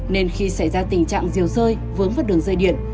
nên khi xảy ra tình trạng diều rơi vướng vào đường dây điện